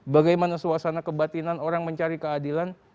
bagaimana suasana kebatinan orang mencari keadilan